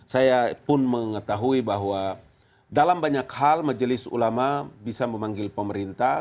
saya pun mengetahui bahwa dalam banyak hal majelis ulama bisa memanggil pemerintah